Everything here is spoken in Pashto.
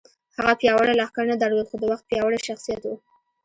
هغه پیاوړی لښکر نه درلود خو د وخت پیاوړی شخصیت و